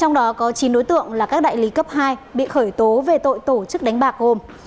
trong đó có chín đối tượng là các đại lý cấp hai bị khởi tố về tội tổ chức đánh bạc gồm